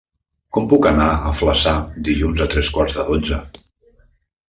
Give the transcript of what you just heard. Com puc anar a Flaçà dilluns a tres quarts de dotze?